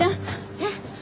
えっ？